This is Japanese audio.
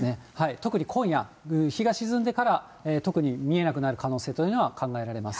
特に今夜、日が沈んでから、特に見えなくなる可能性というのは考えられます。